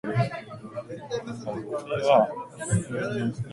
なんなんだよこのサイト